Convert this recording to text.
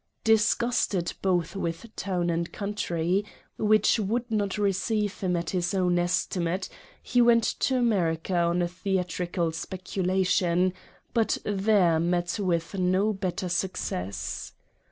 Disgusted both with town and country, which would not receive him at his own estimate, he went to America on a theatrical speculation, but there met with no better suc cess.